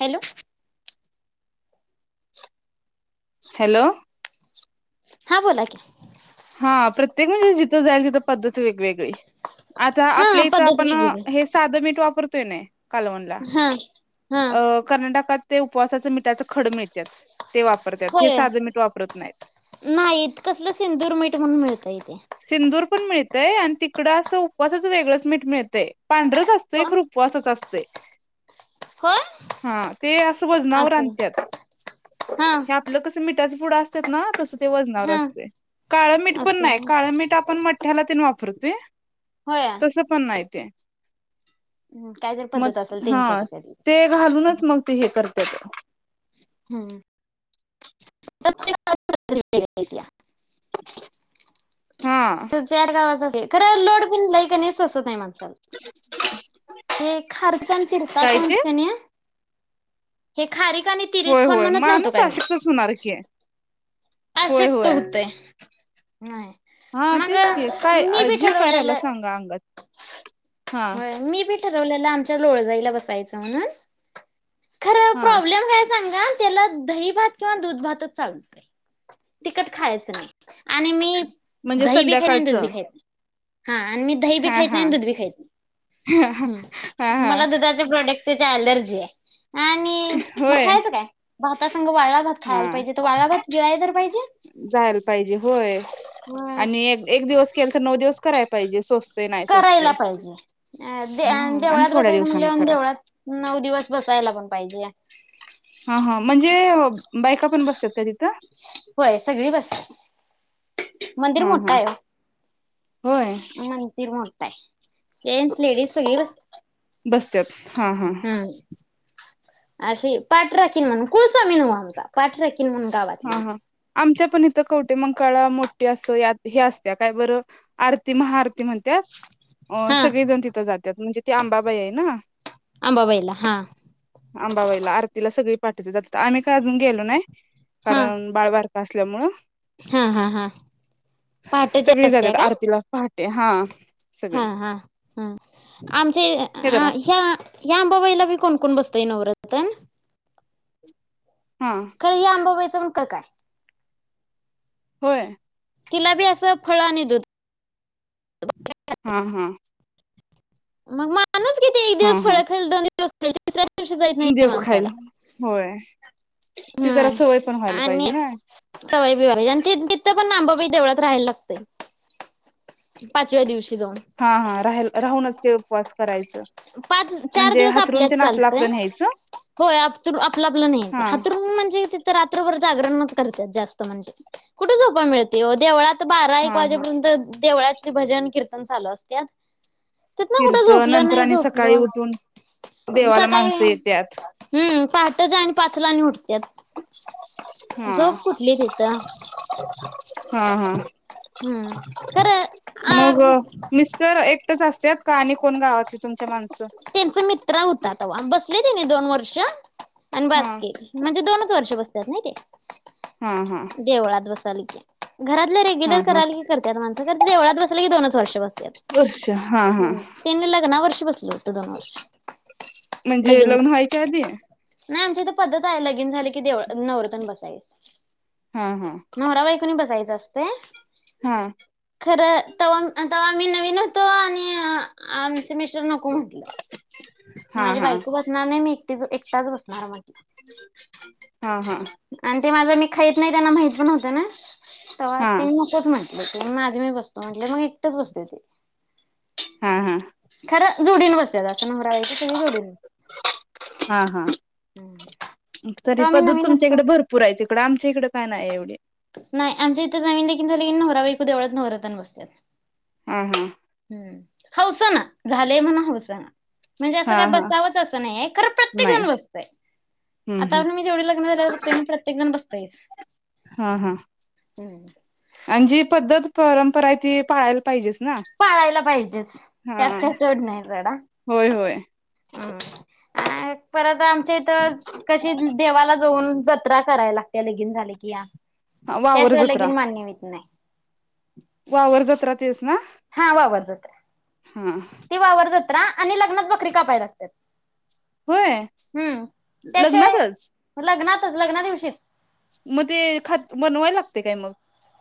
Hello hello हा बोला की हा प्रत्येक म्हणजे जिथं जाईल तिथं पद्धत वेगवेगळी आता हा आपल्या इथं पद्धत आपण वेगवेगळी हे साधं मीठ वापरतोय नाही कलवनला हा हा अ कर्नाटकात ते उपवासाचं मिठाचं खड मिळतात ते वापरतात हे होय. साधं मीठ वापरत नाहीत नाही कसलं सिंदूर मीठ म्हणून मिळत इथे. सिंदूर पण मिळतय आणि तिकडं असं उपसाच वेगळंच मीठ मिळतंय. पांढरच असतंय हो खरं उपवासाचा अस तयं. होय हा ते असं वजनावर असं आणत्यात हा हे आपलं कस मि टाचं पुड असतात ना तसं ते वजनावर हा असतयं. काळं मीठ पण नाही. असं काळं मीठ आपण म ह्याला तेन वापरतोय. तस पण नाही ते - - हम् काय तरी पद्धत असलं हा तेच्या तिकडची - - ते घालूनच मग ते हे कर हम्म. [unintelligible] हा त चार गावाचे [unintelligible] खर लोड पण लई कनी सोसतय माण - - साला. हे खार्चन तिरताच काय ते? म्हणत्यात कनी. तिरीत होय. खाऊन होय. म्हणत माणूस आशक्तच होणार की. होय आशक्त होय हुतयं. नाही. हा मग तेच की काय मी अ बी जीव करायला ठरवलेलं सांगा अंगात. हा. होय मी बी ठरवलेलं आमच्या लोळजाईला बसायच म्हणुन - - खरं हा प्रॉब्लेम काय सांगा? त्याला दही भात किंवा दूध भातच चालत. तिकट खायचं नाही आणि मी - - म्हणजे दही बी खा दूध बी संध्याकाळचं खात नाही हा आणि मी दही बी हा खाइत हा नाही दूध बी खाइत हा नाही हा मला दुधाचे प्रोडक्टची ॲलर्जी हाय. होय. संग वाळा भात हा खायला पाहिजे ते वाळा भात गिळाय तर पा जायला पाहिजे होय अ आणि एक एक दिवस केल तर नऊ दिवस करायं पाहिजे सोस करायला पाहिजे हम्म आणि देवळात थोड्या बसायचं दिवसांन म्हणज करा देवळात नऊ दिवस बसायला पण पाहिजे हा हा म्हणजे बायका पण बसतात कधीतरी होय सगळी बसतात मंदिर हा मोठा हा आहे होय मंदिर मोठा काय जेंट्स लेडीज सगळी बसत्यात हा हा हम्म अशी पाटरा किन म्हणून कुळसामी नाही आमचा पाटरा कि किन मन हा हा गावातलीती आमच्या पण इथं कवटे मंकाळा मोठे असत हे असत्या काय बरं आरती महाआरती म्हणतात अ हा सगळेजण तिथं जातात म्हणजे ते आंबाबाई आहे ना अंबाबायला हा अंबाबाईला आरतीला सगळी पा आम्ही का अजून गेलो नाही हा कारण बाळबा असल्यामुळे हा हा हा पहाटच्या असत्या का ते हा सगळे हा- हा -हा आमचे हे जरा ह्या अंबाबाईला कोण कोण बसतय नवरतन. हा खर ही अंबाबाई. [unintelligible] होय तिला बी असं फळ आणि दूध. हा हा मग मा माणूस किती एक दिवस फळ खाईल दोन दिवस [unintelligible] नाही जेस माणसाला खायला होय ती हा जरा सवय पण व्हायला आणि पाहिजे ना. सवय बिवायची आणि तिथं पण अंबाबाई देवळात राहायला लागतय पाचव्या दिवशी. जाऊन. हा हा राहिल राहुनच त्यो. पोच करायचं पाच चार म्हणजे दिवस हातरून ते आपल्याच ना आपलं चालतय आपलं न्यायचं होय आपलं आपलं नाहीच हा म्हणजे रात्रभर जागरण करत जास्त म्हणजे कुठे झोपा मिळते देवाळात. आता बारा हा एक हा वाजेपर्यंत. देवळातले भजन कीर्तन चालू असत्यात. नीथन कुठ फिरतं झोपलं नंतर नाही आणि झोप. सकाळी उठून हॅलो देवाला सकाळी माणसं येत्यात. हम्मं पहाटच आणि पाच पाचला आणि उठ. त्यात हा. झोप कुठली तिथं हा हा हम्मं खरं मग आग. मिस्टर एकटेच असत्यात का आणि कोण गावातची तुमच्या माणस त्यांच मित्र होतात बसले. त्यांनी दोन वर्ष आणि हा बास्कीे म्हणजे दोनच वर्ष बसतात नाही हा हा. ते देवळात बस. इथ आल कि घरातले हा रेग्युलर हा करायला की करतात माणसं बगत देवळात बस. केले की दोनच वर्ष बसल्यात वर्ष हा हा त्यांनी लग्ना वर्ष बसल होत. म्हणजे लग्न व्हायच्या आधी नाही आमच्या इथं पद्धत आहे लगीन झाल की देवळात नवरतन बसायस. हा हा नवरा बायकोनी बसायच कणी बसायचं असतं. [unintelligible] हा खरं तव्हा तव्हा आम्ही नवीन होतो आणि आम मिस्टर नको म्हटलं. हा माझी हा बायको बसणार नाही मी एकटी एकटाच बसणार म्हटलं हा हा आणि ते माझ मी खाईत नाही त्यांना माहिती पण होत ना. त हा तीन मासच म्हण [unintelligible] [inaudible] हा हा. खरं जोडीन बसत असं नमहरायची त जोडीन बस. हा हा. हम्म. तरी पद्धत तुमच्याकडे भरपूरा यायच. पण आमच्या इकडे काय नाही एवढे. नाही आमच्या इथ नवीन लग्न झाले की नवराबाईकू देवळात नव्हऱ्याात बसतात. हां हां. हौसाना झालंय म्हणा हौसाना म्हणजे असं हा काय हा बसावंच असं नाही खरं प्रत्येक नाही जण बसतय हम्म आता हम्म आपण मी जेवढे लग्न झाले बघत प्रत्येक जण बसत तेेच हा हा अं जी पद्धत परं करायती पाळायला पाहिजे पाळायला पाहिजेच त्यात का चढ नाही झाडा होय होय हम् अ परत आम कशी देवा जाऊन जत्रा करायला लागते लगिन झाले की या हा वावर त्याशिवाय जत्रा लगिंन मान्य होत नाही वावर जत रा ते हा वावर जत्रा हा ते वावर जत्रा आणि लग्नात बकरी का पाय लागतात. होय हम्म त्याशिवाय लग्नातच लग्नातच लग्ना दिवशीच मग ते ख बनवायला लागते काय मग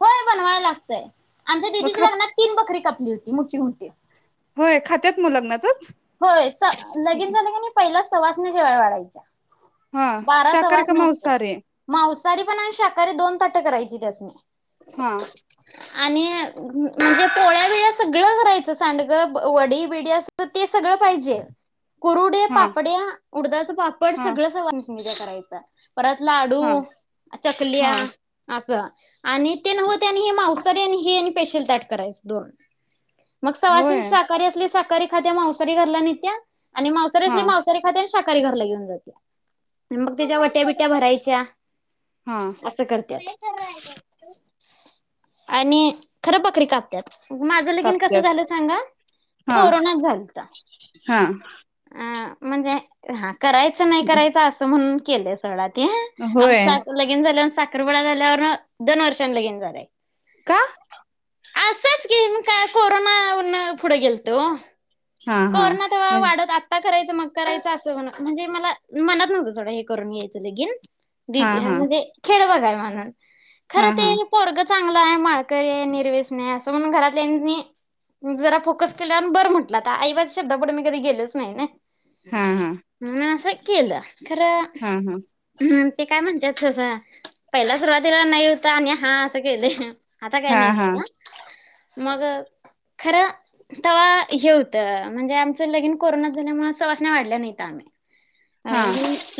होय बनवायला लागतय आमच्या मग दिदीच्या खात लग्नात तीन बकरी कप ली होती मोठी म्हठी होय खात्यात म लग्नात हो लगिंन झालं क म पहिलाच सवाष्णी याच्या वेळी वाढायच्या. हा बारा शाकाहारी का सवाष्णी नसतं मांसाहारी मांसाहारी पण आणि शाकाहारी दोन तट करायची त्यासनी. हा. आणि म्हणजे पोळ्या विळ्या सगळं करायचं सांडगं वडी बिडी अस. ते सगळं. पाहिजे कुरुडे हा पापड्या उडदाच पापड हा सगळं स. करायच. परत हा लाडू चकल्या हा असं. आणि ते नव्हं ते आणि हे मवसारी आणि हे आणि. स्पेशल ताट करायच दोन. मग सवासिंन होय शाकाहारी असली शाकाहारी. खात्या मावसारी घरला नित्या. आणि मावसारी हा असली मावसरी खात्या आणि शाकाहारी. शाकाहारी घरला घेऊन जात्या. मग त्याच्या वट्या बिट्या भरायच्या हा असं करत्यात. आणि खरं बकरी कापत्यात. माझं लगीन कसं कापत्यात झालं सांगा, हा कोरोनात झालत. हा अ म्हणजे हा. करायचं नाही करायचं असं म्हणून. केलच. होय आमचं--लगीन झाल्यावर साखरपुडा झाल्यावर दोन वर्षां लगीन झालंय. का. असंच की मग काय, कोरोना मूळ फुढ गेलत ओ. हा, हा, म्हणजे. करायच मग करायचं अस म्हणजे, मला मनात नव्हतं सोडा हे करून घ्यायचं लगीन. हा [unintelligible] हा म्हणजे खेड गाव. का [unintelligible] हा खर हा ते पोरग. चांगल हाय, माळकरी हाय, निरवेसनी हाय, असं म्हणून घरातल्या जरा फोकस केल्यावर बरं म्हटलं आता आईबाच्या शब्दापुढ मी कधी गेलोच नाही. नाही ना. हा, हा. म्हणून असं केलं. खरं हा हा ते काय म्हणत्यात. अच्छा पहिला सुरुवातीला नाही होत, आणि हा असं केल. आता काय हा हा नाहीसोडा मग खरं तेव्हा हे होतं, म्हणजे आमचं लगीन कोरोना झाल्यामुळे सवासना वाढल्या नाही ता आम्ही अ हा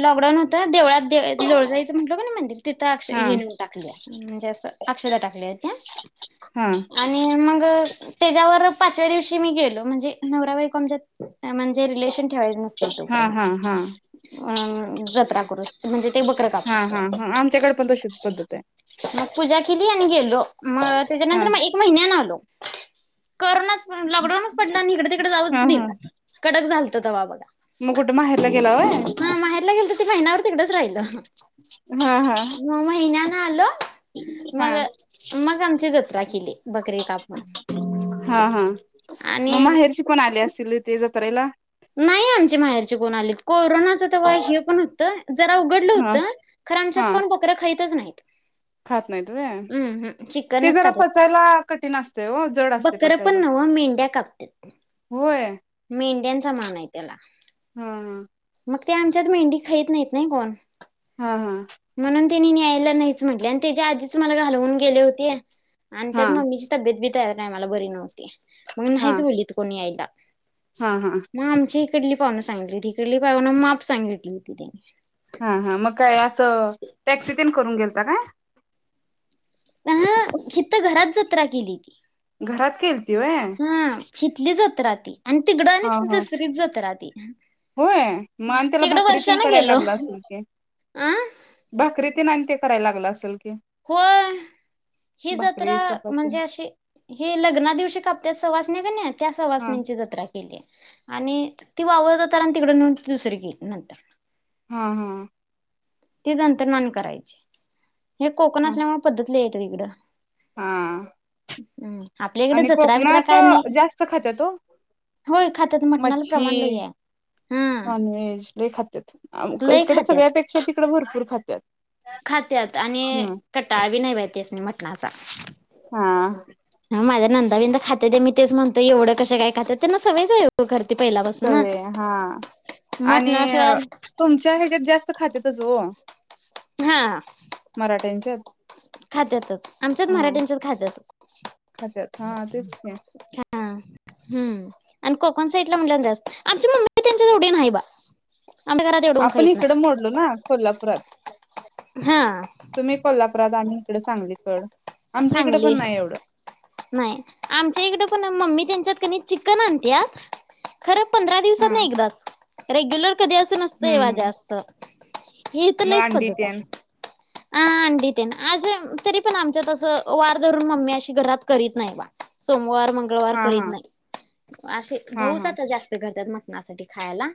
लॉकडाऊन होता देवळात लोळ जाईचं म्हटल, का ना मंदिर तिथं अ हा हे नऊन टाकल्या म्हणजे अस अक्षता टाकलेत. हा हा आणि मग त्याच्यावर पाचव्या दिवशी मी गेलो म्हणजे, नवराबाईकमच्यात म्हणजे रिलेशन ठेवायचं नसत तोपर्यंत हा हा जत्रा करू म्हणजे ते बकर कापू असत हा हा आमच्याकडे पण तशीच पद्धत आहे मग पूजा केली आणि गेलो. मग हा त्याच्यानंतर मग एक महिन्यान आलो. कोरोनाच प लॉकडाऊनच पडला आणि इडे तिकडे जाऊच दिल कडक झालतो त वा बघा मगुड म हे गेला होय. महिनाभर तिकडच राहिलं हा हा म महिन्यान आलो हा मग मग आमची जत्रा केली. बकरी काप मण हा हा आणि मग माहेरची पण आली असतील ते जत्रेला नाही आमचे माहेरचे कोण आले को कोरोनाच ते वा पण होत जरा उघडलं हा होतं खर हा आमच्यात कोण बकरं खाईतच नाही खात नाही वय, हम् ते चिकनच जरा खातात पचायला कठीण असते हो जड असते बकरं पण पचायला नव्ह मेंढ्या कापतात होय मेंढ्यांचा मान आहे त्याला हम्म हम् मग ते आमच्यात मेंढी खाईत नाहीत नाही कोण हा हां म्हणून त्यांनी न्यायला नाहीच म्हटले आणि त्याच्या आधीच मला घालवून गेले होते आणि त्या हा मम्मीची तब्येत बि त्या टायमाला बरी नव्हती. मग हा नाहीच बोलली त कोणी यायला. हा हा पाहुणं सांगली होती ईकडली पाहून माप सांगितली होती त्यानी हा हा म काय च टॅक्सी तिन करून गेल तासा का? अहं हितं त घरात जत्रा केलीती. घरात केलती व्हय त्रा ती आणि तिकडं हा आणि हा दुसरीच जात राधी होय मग आणि त्याला तिकडं भाकरी तेन वर्षाने करायला गेलो लागला असेल की अं- - कराय लागलं असेल. की हो ही जत्रा भाकरी चपाती म्हणजे अशी ह लग्ना दिवशी का त्यात सहवास नाही नाहीत त्या हा सवासनींची जत्रा केली. आणि ती वावरतात आणि तिकड नेऊन दुसरी केली नंतर हा हा तेच अंतर्मान करायचे. हे कोकण हा असल्यामुळे पद्धती लै आहे ईकड हा आपल्या इकडे आणि जत्रा बित्रा कोकणात काय नाही जास्त खातात हो होय खात्यात मटणाला मच्छी, प्रमाण लय आहे नॉन हम्म व्हेज हे खातात लय इकड खात्यात सगळ्यापेक्षा तिकड भरपूर खात्यात खात्यात आणि हम्म कटाळ बी नाही त्यास्नी नाही मट नाचा. हा माझ्या नंदािंद खातेेत मी तेच म्हणतो एवढं कश काय खात्यात त्यांना सवय झाली कर- सव हा आणि मटणाशिवाय तुमच्या ह्याच्यात जास्त खाचेतच हो. हा मराठ्यांच्यात खात्यातच आमच्याच हा मराठ्यांच्याच खात्यातच. खात्यात हा तेच मेन. हम् आणि कोकण साईडला म्हण जास्त आमची मम्मी त्यांच्यावढेन आहे बा. आमच्या घरात एवढं कोण आपण खाईत इकडं नाही मोडलो ना कोल्हापुरात हा तुम्ही कोल्हापुरात आण- तिकडे चांगली कड- चांगली नाही आमच्या इकडे कोणा- मम्मी त्यांच्याकडे चिकन आणत्या खरंच. पंधरा दिवसात हा नाही एकदाच रेग्युलर कधी अस नसत हम्म एव्हा हम्म जास्त- ह तर ल मग एकच अंडी पद्धत तेन आहे- ह अंडिते तरी पण आमच्यात- वार धरून म् अशी घरात करीत नाही सोमवार- मंगळवार हा करीत हा नाही असे हा भाऊच हा आता जास्त करतात मग- आ साठी खायला-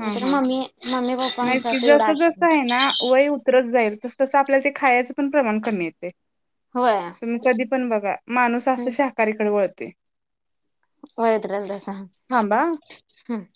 हा हा मम्मी मम्मी पप्पांचा नाहीकीि जस तेवढा जस आहे आशीर्वाद ना वय उतरत जाईल तस तस आपल्या ते- खायचं पण प्रमाण कमी येते. होय. तुम्ही कधी पण बघा माणूस अस शाकाहारीकडे वळत- ते होत राल दसा थांबा हम्